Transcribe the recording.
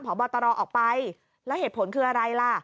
พบตรออกไปแล้วเหตุผลคืออะไรล่ะ